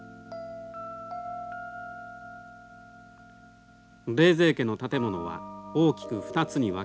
冷泉家の建物は大きく２つに分けられます。